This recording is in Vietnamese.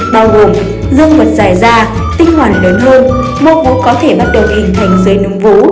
bao gồm dương vật dài ra tinh hoàng lớn hơn mô vú có thể bắt đầu hình thành dưới nung vú